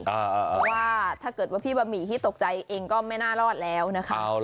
เพราะว่าถ้าเกิดว่าพี่บะหมี่ที่ตกใจเองก็ไม่น่ารอดแล้วนะคะ